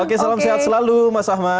oke salam sehat selalu mas ahmad